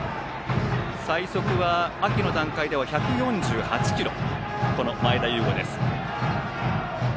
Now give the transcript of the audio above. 最速は、秋の段階では１４８キロという前田悠伍。